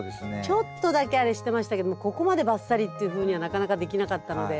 ちょっとだけあれしてましたけどもここまでバッサリっていうふうにはなかなかできなかったので。